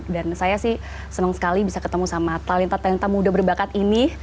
dan saya sih senang sekali bisa ketemu sama talenta talenta muda berbakat ini